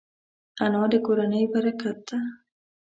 انا د کورنۍ برکت ده